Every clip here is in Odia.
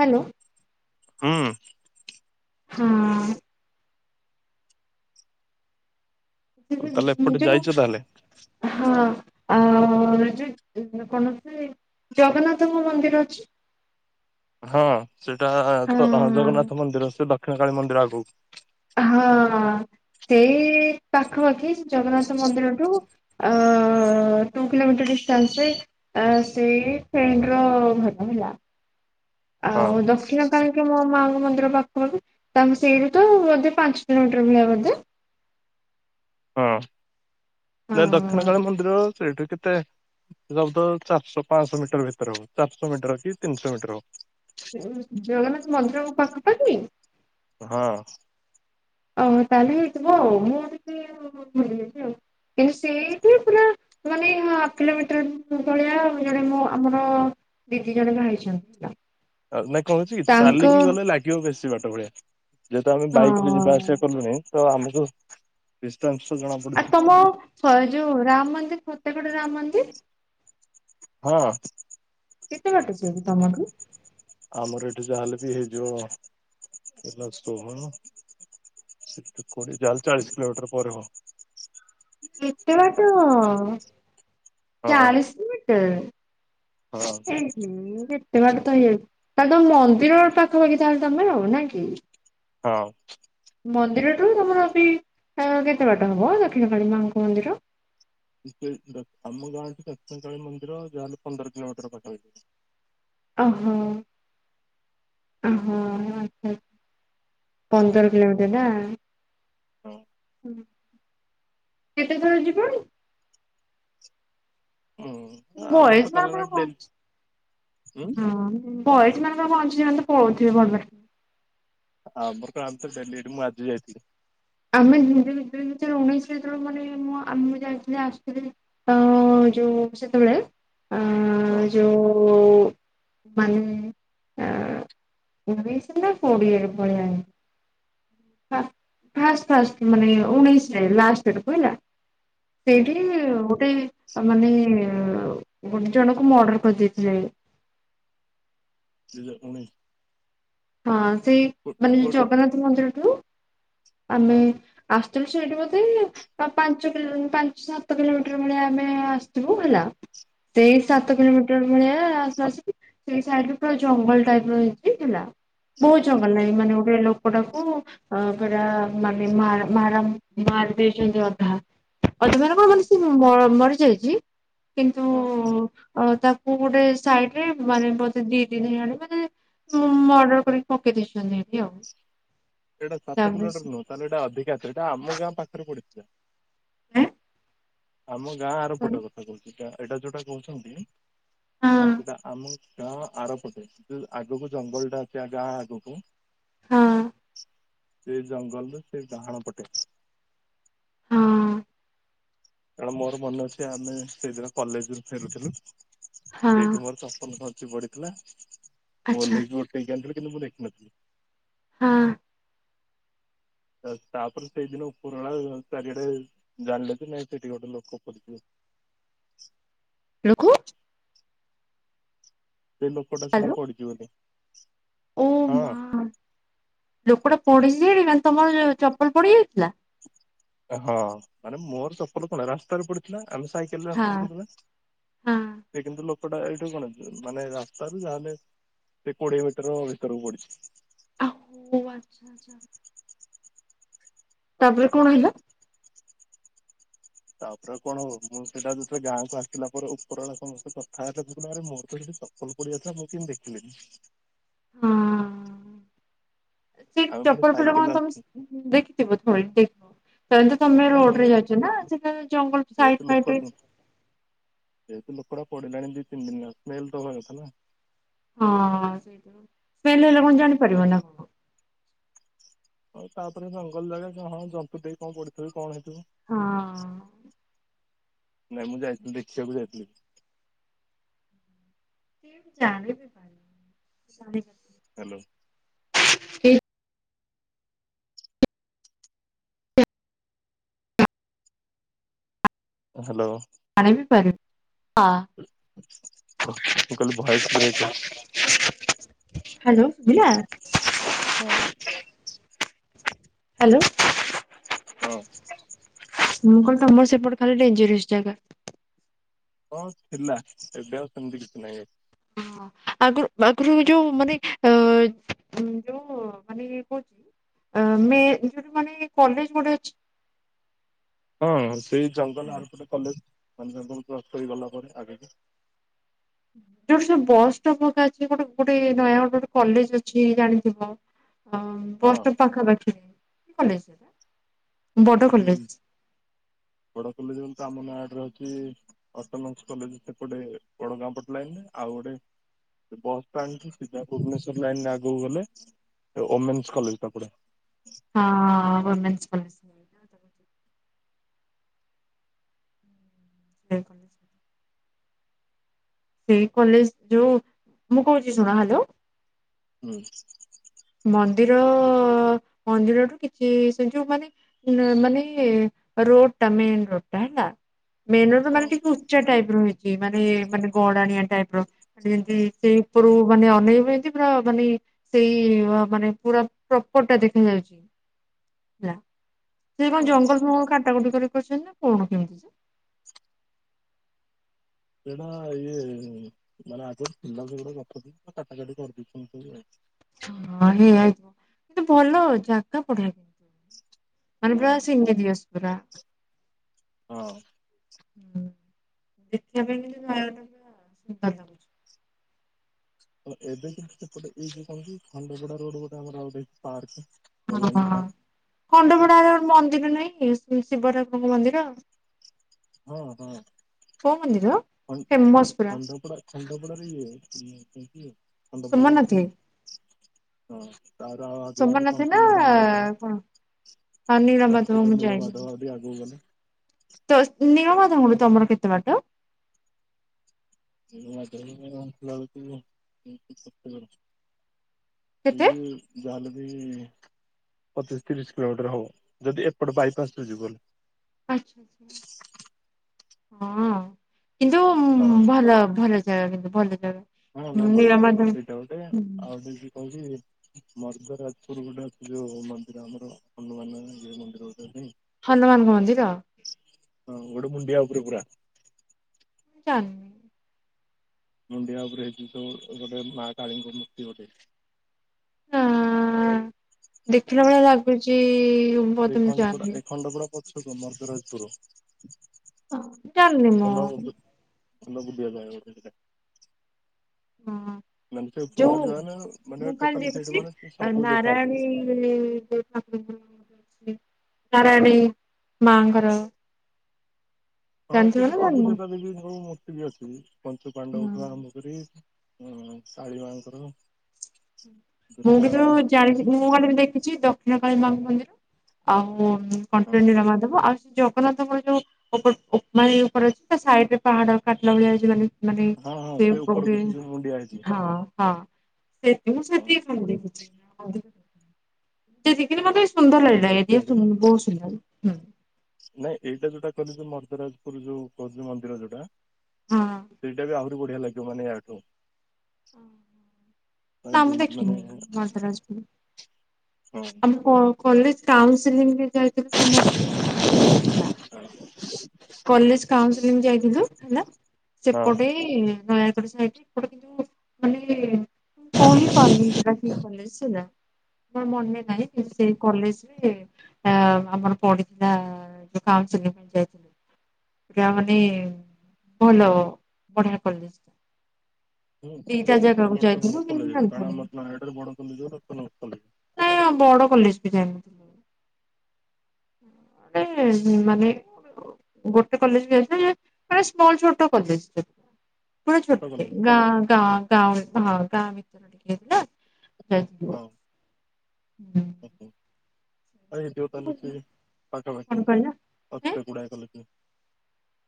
ହାଲୋ। ହୁଁ। ହୁଁ। ତାହେଲେ ଯିବିନି ଏପଟେ ଯାଇଛ ତାହେଲେ ନିଜକୁ ହଁ। ଆଉ ଯୋଉ ଉ କୌଣସି ଜଗନ୍ନାଥଙ୍କ ମନ୍ଦିର ଅଛି? ହଁ ସେଇଟା ତ ହଁ ଜଗନ୍ନାଥ ମନ୍ଦିର ସେ ଦକ୍ଷିଣ କଳୀ ମନ୍ଦିର ଆଗକୁ। ହଁ ସେଇ ପାଖପାଖି ଜଗନ୍ନାଥ ମନ୍ଦିରଠୁ। ଆ। ଆ ଟୁ କିଲୋମିଟର ଡିଷ୍ଟାନ୍ସ ରେ ଆ ସେ ଫ୍ରେଣ୍ଡ ର ଘର ହେଲା। ହଁ ଆଉ ଦକ୍ଷିଣ କାଳୀ ଙ୍କ ମୋ ମା ମନ୍ଦିର ପାଖ ପାଖି ତାଙ୍କ ସେଇଠୁ ତ ବୋଧେ ପାଞ୍ଚ କିଲୋମିଟର ଭଳିଆ ବୋଧେ। ହଁ ନା ଦକ୍ଷିଣକାଳୀ ମନ୍ଦିର ସେଇଠୁ କେ ତେ ଲାଗୁଚି ତ ଚାରିଶହ ପାଂଶ ମିଟର ଭିତରେ ହବ ଚାରିଶହ ମିଟର କି ତିନିଶହ ମିଟର ହବ। ଉଁ ଜଗନ୍ନାଥ ମନ୍ଦିରକୁ ପାଖପାଖି? ହବ ଓହୋ ତାହଲେ ହେଇଥିବ ଆଉ ମୁଁ ଟିକେ ଉ ଭୁଲି ଯାଇଛି ଆଉ କିନ୍ତୁ ସେଇଠି ପୁରା। ମାନେ ହାପ କିଲୋମିଟର ଭ-ଭଳିଆ ଜଣେ ମୋ ଆମର ଦିଦି ଜଣେ ବାହା ହେଇଚନ୍ତି ତ। ଆଉ ନାଇ କଣ ହେଇଛି କି ଚାଲିକି ଗଲେ ଲାଗିବ ବେଶୀ ବାଟ ଭଳିଆ। ଯେହେତୁ ଆମେ ବାଇକ ରେ ହଁ ଯିବା ଆସିବା କଲୁଣି ତ ଆମକୁ ବେ ଆଉ ତମ ସ ଯୋଉ ରାମ ମନ୍ଦିର ଫତେଗଡ ରାମ ମନ୍ଦିର। ହଁ। କେତେ ବାଟ ସେଇଠୁ ତମଠୁ? ଆମର ଏଠି ଜାହାହେଲେ ବି ହେଇଯିବ ହେଲା ଷୋହଳ। ସେଠୁ କୋଡିଏ ଯାହା ହେଲେ ଚାଳିଶ କିଲୋମିଟର ପରେ ହବ। ଏତେ ବାଟ ହଁ ଚାଳିଶ କିଲୋମିଟର। ହଁ ଏ ହେ କେ ଏତେ ବାଟ ତ ହେଇଯାଉଚି ତାହେଲେ ତମ ମନ୍ଦିର ପାଖପାଖି ତାହେଲେ ତମେ ରହୁନା କି? ହଉ। ମନ୍ଦିରଠୁ ତମର ବି ଅ କେତେ ବାଟ ହବ ଦକ୍ଷିଣ କାଳୀ ମାଙ୍କ ମନ୍ଦିର? ଇଏ ଦ ଆମ ଗାଁଠୁ ଦକ୍ଷିଣକାଳୀ ମନ୍ଦିର ଯାହାହେଲେ ପନ୍ଦର କିଲୋମିଟର ପାଖାପାଖିର। ଅ ହୋ ଅ ହୋ ଆଚ୍ଛା ଆଚ୍ଛା। ପନ୍ଦର କିଲୋମିଟର ନା? ହଁ କେତେ ଥର ଯିବଣି? ହୁଁ ଆମର ବୟେଜ ତ କଲା ବେଳେ ମାନଙ୍କର ଙ୍କ ଡେଲି ଅଛି ହୁଁ ହଁ ବୟେଜ୍ ମାନଙ୍କର ଙ୍କ ଅଛି ସେମାନେ ତ ପଳଉଥିବେ ଭଟ ଭାଟ କିଣି। ହଁ ଆମର କଣ ଆମେ ତ ଡେଲି ଏଇଠି ମୁଁ ଆଜି ଯାଇଥିଲି। ଆମେ ଦୁଇ ଦୁଇ ହଜାର ଉଣେଇଶିରେ ଯେତେବେଳେ ମାନେ ମୁଁ ଆମେ ଯାଇଥିଲେ ଆଶୁଥିଲେ ଅ। ଯୋଉ ସେତେବେଳେ ହଁ ଆଁ ଯୋଉ। ମାନେ ଆ। ଉଣେଇଶି ନା କୋଡ଼ିଏ ଭଳିଆ ହିଁ ଆ ଫାଷ୍ଟ୍ ଫାଷ୍ଟ୍ ମାନେ ଉଣେଇଶରେ ଲାଷ୍ଟ ଆଡ଼କୁ ହେଲା, ସେଇଠି ହଁ ଗୋଟେ ଆ ମାନେ ଗୋଟେ ଜଣଙ୍କୁ ମର୍ଡର କରିଦେଇଥିଲେ। ଦୁଇହଜାର ଉଣେଇଶ? ହଁ ସେଇ କୋ- ମାନେ ଯୋଉ କୋ- ଜଗନ୍ନାଥ ମନ୍ଦିରଠୁ ଆମେ ହଁ ଆସ୍ ସଥୁଲୁ ସେଇଠି ବୋଧେ ଆଉ ପାଞ୍ଚ କିଲ ପାଞ୍ଚ ସାତ କିଲୋମିଟର ଭଳିଆ ଆମେ ଆସିିଥିବୁ ହେଲା ସେଇ ହଁ ସାତ କିଲୋମିଟର ଭଳିଆ ଆସ ଆସିକି ସେଇ ସାଇଡରେ ପୁରା ଜଙ୍ଗଲ ଟାଇପର ହେଇଛି ହେଲା ବହୁତ ଜଙ୍ଗଲ ହଁ ନାଇଁ ମାନେ ଗୋଟେ ଲୋକ ଲୋକଟାକୁ ଅ ପୁରା ମାନେ ମା-ମାରା-ମା-ମାରି ଦେଇଛନ୍ତି ଅଧା [unintelligible] କଣ ହଁ ମାନେ ସେ ମ-ମରିଯାଇଚି କିନ୍ତୁ ହଁ ଅ ତା କୁ ଗୋଟେ ସାଇଟରେ ମାନେ ବୋଧେ ଦି ତିନି ଜଣ ମାନେ ମ-ମର୍ଡର କରି ପକେଇ ଦେଇଛନ୍ତି ଏଠି ଆଉ। ଏଇଟା ସାତ ତାପରେ କିଲୋମଟର ସେ ନୁହଁ, ତାହେଲେ ଏଟା ଅଧିକା ଥିବ ଏଟା ଆମ ଗାଁ ପାଖରେ ପଡିଛି। ଆଁ? ଆମ ଗାଁ ଆର ପଟ କଥା କହୁଛି ଗାଁ ଏଇଟା ଯୋଉଟା କହୁଛନ୍ତି ସେଟା ଆମ ଗାଁ ଆରପଟେ ଯୋଉ ଆଗକୁ ଜଙ୍ଗଲ ଟା ଅଛି ଆ ଗାଁ ଆଗକୁ ହଁ ସେଇ ଜଙ୍ଗଲରେ ସେ ଡାହାଣ ପଟେ ହଁ। କାରଣ ମୋର ମନେ ଅଛି, ଆମେ ସେଇଦିନ କଲେଜରୁୁ ଫେରୁଥିଲୁ ହଁ ସେଇଠି ମୋର ଚପଲ ଖସି ପଡ଼ିଥିଲା, ମୁଁ ଆଚ୍ଛା ଓଲ୍ହେଇକି ଉଠେଇକି ଆଣିଥିଲି କିନ୍ତୁ ମୁଁ ଦେଖିନଥିଲି। ହଁ। ତାପରେ ସେଇଦିନ ଉପରବେଳା ଚାରିଆଡ଼େ ଜାଣିଲେ ଯେ ନାଇଁ ସେଠି ଗୋଟେ ଲୋକ ପ ଲୋକ ସେ ଲୋକଟା ସେଠି ହ୍ୟାଲୋ ପଡିଛି ବୋଲି ଓ ମା ହଁ। ଲୋକଟା ପଡିଚି ଯେ ସେଠି ମାନେ ତମର ଚପଲ ପଡିଯାଇଥିଲା? ହଁ ମାନେ ମୋର ଚପଲ କଣ ରାସ୍ତାରେ ପଡିଥିଲା ଆମେ ସାଇକେଲ ରେ ହଁ ଆସୁଥିଲୁ ନା, ହଁ ସେ କିନ୍ତୁ ଲୋକ ଲୋକଟା ଏଇଠୁ କଣ ମାନେ ରାସ୍ତାରୁ ଯାହାହେଲେ ସେ କୋଡିଏ ମିଟର ଭିତରକୁ ପଡିଛି ଓହୋ ଆଚ୍ଛା ଆଚ୍ଛା। ତାପରେ କଣ ହେଲା? ତାପରେ ଆଉ କଣ ହବ? ମୁଁ ସେଇଟା ଯେତେବେଳେ ଗାଁ କୁ ଆସିଲା ପରେ ଉପର ବେଳା ସମସ୍ତେ କଥା ହେଲେ, ମୁଁ କହିଲି ଆରେ ମୋର ତ ସେଇଟି ଚପଲ ପଡିଯାଇଥିଲା ମୁଁ କେମିତି ଦେଖିଲିନି। ହଁ। ଆମେ ସେଇଟି ପୁଣି ଚପଲ ପଡ଼ିଲେ ସାଇକେଲରେ କଣ ତମେ ଆସିଥିଲୁ ଦେଖିଥିବ ଥୋଡି। ତାହେନେ ତ ତମେ ନାଇଁ ରୋଡରେ ଯାଉଚ ନା ସେ ତ ଜଙ୍ଗଲ ସାଇଡ ଯେହେତୁ ଲୋକ ଫାଇଡରେ ଯେହେତୁ ଲୋକଟା ପଡ଼ିିଲାଣି ଦି ତିନ ଦିନ ହେଲା, ସ୍ମେଲ ତ ହବା କଥା ନା। ହଁ ସେଇଟା ବି ସ୍ମେଲ ହେଲେ କଣ ଜାଣିପାରିବନି ନା କଣ? ଆଉ ତାପରେ ଜଙ୍ଗଲ ଜାଗା କଣ ହଁ ଜନ୍ତୁ ଟେଇ କଣ ପଡ଼ିଥିବେ କଣ ହେଇ ହଁ। ନାଇଁ ମୁଁ ଯାଇଥିଲି ଦେଖିବାକୁ ଯାଇଥିଲି। କିଏ ମୁଁ ଜାଣି ବି ପାରିଲିନି [unintelligible] ହ୍ୟାଲୋ। କେଇ ହ୍ୟାଲୋ। ଜାଣି ବିି ପାରୁ ମୁଁ କହିଲି ଭଏସ ବ୍ରେକ୍ ହଉଛି। ହ୍ୟାଲୋ। ଶୁଭିଲା? ହଉ। ହ୍ୟାଲୋ। ହଁ। ମୁଁ କଣ ତମର ସେପଟେ ଖାଲି ଡେଞ୍ଜରୀୟସ୍ ଜାଗା। ହଁ ଥିଲା, ଏବେ ଆଉ ସେମିତି କିଛି ନାଇଁ ଆଉ। ହଁ ଆଗରୁ ଆଗରୁ ଯୋଉ ମାନେ ଅ ଯୋଉ ମାନେ କହୁ ଆମେ [unintelligible] କଲେଜ [unintelligible] ହଁ ସେଇ ହଁ ଜଙ୍ଗଲ ଆରପଟେ କଲ ମାନେ ଜଙ୍ଗଲ କ୍ରସ୍ କରିକି ଗଲା ପରେ ଆଗକୁ। ଯୋଉଠି ବସ୍ ଷ୍ଟପ [unintelligible] ଗୋଟେ ଗୋଟେ ନୟ ଗୋଟେ ଗୋଟେ କଲେଜ ଅଛି ଜାଣିଥିବ। ଅ ହଁ ବସ୍ ଷ୍ଟପ ପାଖାପାଖି କଲେଜ୍ ହୁଁ ବଡ କଲେ [unintelligible] ଆମ [unintelligible] ଅଟୋନମସ୍କ କଲେଜ୍ ସେପଟେ ବଡଗାଁ ପଟ ଲାଇନ ରେ ଆଉ ଗୋଟେ ବସ ଷ୍ଟାଣ୍ଡ ରୁ ସିଧା ଭୁବନେଶ୍ଵର ଲାଇନ ରେ ଆଗକୁ ଗଲେ ଓମେନ୍ସ କଲେଜ ଟାପଡେ। ହଁ ଓମେନ୍ସ କଲେଜ୍। [unintelligible] ସେଇ କଲେଜ ଯୋଉ ମୁଁ କୋହୁଚି ଶୁଣ, ହ୍ୟାଲୋ? ହୁଁ। ମନ୍ଦିର ମନ୍ଦିରଠୁ କିଛି ସେ ଯୋଉ ମାନେ ମାନେ ରୋଡ ଟା ମେନ୍ ରୋଡ ଟା ହେଲା ମେନ ରୋଡ ହଁ ମାନେ ଟିକେ ଉଚ୍ଚା ଟାଇପ ର ହେଇ ମାନେ ମାନେ ଗଡଣିଆ ଟାଇପର [unintelligible] ସେଇ ଉପରୁ ମାନେ ଅନେଇ ଏମତି ପୁରା ମାନେ ସେଇ ମାନେ ପୁରା ପ୍ରପର ଟା ଦେଖାଯାଉଚି, ହେଲା। ସେ କଣ ହଁ ଜଙ୍ଗଲ ଫଙ୍ଗଲ କାଟା କୁଟି କରି ରଖିଛନ୍ତି ନା। କଣ କେମତି ଯେ? ସେଇଟା ଇଏ ମାନେ ଆଗରୁ ଥିଲା ସେଗୁଡା [unintelligible] କାଟା କରିଦେଇ [unintelligible] ହଁ ହେଇଆଇଥିବ କିନ୍ତୁ ଭଲ ଜାଗା ପଢ଼ିବାକୁ ମାନେ ଆଉ। ପୁରା ସିଙ୍ଗି [unintelligible] ପୁରା। ହଁ। ହଁ ଦେଖିବା ପାଇଁ କିନ୍ତୁ [unintelligible] ଏବେ କିନ୍ତୁ ସେପଟେ ଏଇ କଣ କି ଖଣ୍ଡପଡା ରୋଡ ଗୋଟେ ଆମର ଗୋଟେ ପାର୍ ହଁ ଖଣ୍ଡପଡାରେ ମନ୍ଦିର ନାହିଁକି ଶିବଠାକୁର ମନ୍ଦିର। ହଁ ହଁ। କୋଉ ମନ୍ଦିର ଖ ଫେମସ ପୁରା ଖଣ୍ଡପଡ଼ା ଖଣ୍ଡପଡ଼ାରେ ଇଏ ଖଣ୍ଡପଡ଼ା ହୋଇଚି ସୋମନାଥି ହଁ ତାର ଆଉ ଆଗକୁ ଗଲେ ସୋମନାଥ ନା [unintelligible] ନୀଳମାଧବ। କଣ ହଁ ନୀଳମାଧବ କଞ୍ଚିତ ମୁଁ ନୀଳ ଯାଇଛି। ମାଧବ ଦି ଆଗକୁ ଗଲେ। ତ ନିଳମାଧବ ତମର କେତେବାଟ। [unintelligible] ଏ ଜାଲେ ପଚିଶ କେତେ? ତିରିଶ କିଲୋମିଟର ହବ, ଯଦି ଏପଟ ବାଇପାସ ରେ ଯିବୁ। [unintelligible] ହଁ। କିନ୍ତୁ ହଁ ଭଲ ଭଲ ଜାଗା କିନ୍ତୁ ଭଲ ଜାଗା। ହଁ ନାଇଁ ବଢିଆ ଜାଗା, ନୀଳମାଧବ ସେଇଟା ଗୋଟେ ଆଉ [unintelligible] ମର୍ଦରାଜପୁର ଗୋଟେ ଅଛି ଯୋଉ ମନ୍ଦିର ଆମର ହନୁମାନ ମନ୍ଦିର ହଁ, ହନୁମାନଙ୍କ ମନ୍ଦିର ଗୋଟେ ମୁଣ୍ଡିଆ ଉପରେ ପୁରା। ହୁଁ। ମୁଣ୍ଡିଆ ଉପରେ [unintelligible] ଗୋଟେ ମା କାଳୀଙ୍କ ମୂର୍ତ୍ତି ଗୋଟେ। ହଁ, ଦେଖିଲା ଭଳିଆ ଲାଗୁଚି। ଏ ଖଣ୍ଡପୁରା ଏ ଖଣ୍ଡପୁରା ପଛକୁ ମର୍କରାଜପୁର। [unintelligible] ଚାଲ ବୁଲିଆ ପାଇଁ [unintelligible] ହଁ। ଯୋଉ ନା ମାନେ ମୁଁ ଖାଲି ଟୋଟାଲ ସେଇଠି ଦେଖିଛି ମାନେ ସବୁ ଦେଖାଯାଉଛି ନାରାୟଣୀ ଠାକୁ। ନାରାୟଣୀ ମାଙ୍କର। ହଁ। ଜାଣିଥିବ ସେଠି ନା ସବୁ ଜାଣିନ? ଦେବା ଦେବୀ ଙ୍କ ମୂର୍ତ୍ତି ବି ଅଛି ପଞ୍ଚ ପାଣ୍ଡବ ଠୁ ଆରମ୍ଭ କରି। ହୁଁ। ଶାଢ଼ୀ ମାଙ୍କର। ମୁଁ ଦୁର୍ଗା କିନ୍ତୁ ମା ଜାଣିଛି ମୁଁ ସମସ୍ତ କାଲି ଦେଖିଛି ଦକ୍ଷିଣ କାଳୀ ମା ଙ୍କ ମନ୍ଦିର ଆଉ। ହଁ କଣ୍ଟିଲୋ ନୀଳମାଧବ। ଜଗନ୍ନାଥଙ୍କର ଯୋଉ ଉପରେ ଅଛି ତା ସାଇଡ ରେ ପାହାଡ କାଟିଲା ଭଳିଆ ଅଛି ମାନେ। ମାନେ ହଁ ହଁ ସେ ଉପରକୁ କୋଉଠି ସେ ଯୋଉ ମୁଣ୍ଡିଆ ହେଇଛି ହଁ ହଁ। ମୁଁ ସେତିକି ଖାଲି ଦେଖିଚି। ସୁନ୍ଦର ଲାଗିଲା ହଁ ସେ ଏଇଦିଆ ବହୁତ ସୁନ୍ଦର। ନାଇଁ ଏଇଟା ଯୋଉଟା କହଲେ ଯେ ମର୍ଦରାଜପୁର ଯୋଉ କହୁଥିଲ ମନ୍ଦିର ଯୋଉଟା। ହଁ। ସେଇଟା ବି ଆହୁରି ବଢିଆ ଲାଗିବ ମାନେ ୟଠୁ। ନା ମୁଁ ଯେମିତି ମାନେ ଦେଖିନି ମର୍ଦରଜପୂର୍। ହଁ ଆମ କଲେଜ କାଉନସିଲଂ ବି ଯାଇଥିଲୁ ସମସ୍ତେ। ହେଲା। କଲେଜ କାଉନସିଲଂ ଯାଇଥିଲୁ ହେଲା ହଁ ସେପଟେ ଏପଟେ କିନ୍ତୁ ମାନେ କହି ପାରୁନି ସେଟା କିଏ କଲେ। [unintelligible] ମୋ ମନେ ନାହିଁ ସେଇ କଲେଜରେ ଆମର ପଡିଥିଲା ଯୋଉ। [unintelligible] ପଞ୍ଚାୟତ। ଗାଁ ମାନେ ଭଲ ବଢିଆ କଲେଜ ଟା। ହୁଁ। ଦିଟା ଜାଗାକୁ ଯାଇଥିଲୁ କିନ୍ତୁ ଜାଣିପାରିଲୁନି [unintelligible] ନାଇଁ ବଡ଼ କଲେଜ ବି ନୁହେଁ। ଏ ମାନେ ଗୋଟେ କଲେଜ ବି ଆସ ଗୋଟେ ସ୍ମଲ ଛୋଟ କଲେଜ। ପଣି ଛୋଟ ଗାଁ ଗାଁ ଗାଁ ହଁ ଗାଁ ଭିତରିକ ନା। ଜୟ ଜଗନ୍ନାଥ। ଓହୋ। ଆଜ୍ଞ ଯେଉ ଚାଲିୁଛି ପାଖାପାଖି କଣ କହିଲ ଏଁ ଅସୁଧା ଗୁଡ଼ା କଲେଛି।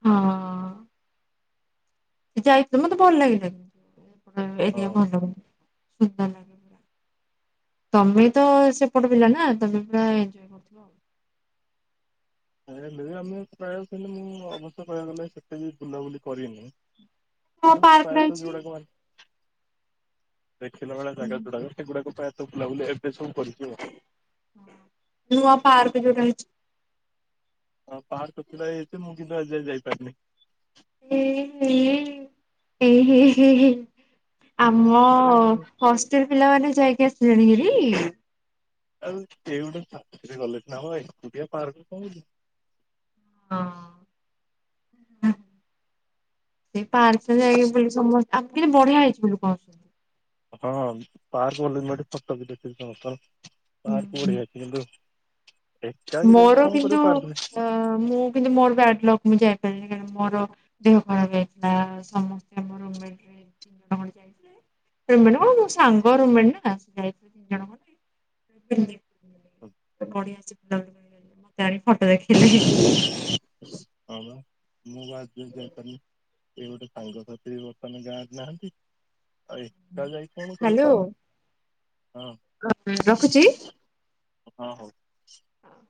ହଁ। ଯାଇଥିଲି ମତେ ଭଲ। [unintelligible] ହଁ ସୁଙ୍ଗ ଲାଗ। [unintelligible] ତମେ ତ ସେପଟ ପିଲା ନା ତମେ ଏଞ୍ଜୟ୍ କରୁଥିବା ଆଉ। ହେଲେ ବି ଆମେ ପ୍ରାୟ ହେଲେ ମୁଁ ଅବଶ୍ୟ କହିବାକୁ ଗଲେ ସେତେ ବି ବୁଲାବୁଲି କରିନି। ନୂଆ ଏନ୍ତ ପାର୍କ ଟା ହେଇଛି ପଞ୍ଚାୟତ। [unintelligible] ଦେଖିଲାେଳି ଜାଗା ଯୁଡାକ ସେଗୁଡାକ ପା ଏତ ବୁଲା ବୁ ଏବେ ସବୁ। କରିଛୁ ନୁଆ ପାର୍କ ଯୋଉଟା ହେଇଛି। ହଁ। ପାର୍କ ଥିଲା ତ ମୁଁ କିନ୍ତୁ ଆଜି ଯାଇପାରୁିନି। [unintelligible] ଆମ ଆରେ ହଷ୍ଟେଲ ପିଲାମାନୋନ ଯାଇକି ଆସିଲେଣି ହେରି ଆଉ ସେ ଗୋଟେ ଚାରେ ଗଲେ ନା ଏଆ ପାର୍କ କ ହଁ ସେ ପାର୍କରେ ଯାଇକି ବୋଲି ସମସ୍ତେ ଆମ କେତେ ବଢିଆ ହେଇଛି ଲୋକ ଆଛନ୍ତି ହଁ ପାର୍କ ବୋଲି ଏଠି ଫୋଟ ବି ଦେଖି କଣ ପାର୍କ କହୁଛନ୍ତି। ବଢିଆ ଅଛି କିନ୍ତୁ ଏକା ଯାଇକି ମୋର କଣ କିନ୍ତୁ କରିବୁ ପାର୍କରେ ଅ ମୁଁ କିନ୍ତୁ ମୋର ବ୍ୟାଡଲଗ ମୁଁ ଯାଇ ମୋର ଦେହ ଖରାପ ହେଇଥିଲା ସମସ୍ତେ ଆମ ମେ କଣ ମୋ ସାଙ୍ଗ ରୁମେଣ ନା ଯାଇଥିଲ ତିନି ଜଣ ଡି [unintelligible] ମତେ ଆଣି ଫଟୋ ଦେଖିଲେ। ହ ମୁଁ ବା ଯ ଯାଇ ଏ ଗୋଟେ ସାଙ୍ଗସାଥିରୀ ବର୍ତ୍ତମାନ ଗାଁରେ ନାହାନ୍ତି। ଆଇ ଏକା ଯାଇକି କଣ କରିବୁ ପା [unintelligible] ରଖୁଚି। ହଁ ହୋଉ। ହୋଉ।